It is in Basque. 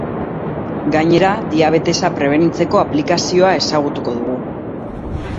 Gainera, diabetesa prebenitzeko aplikazioa ezagutuko dugu.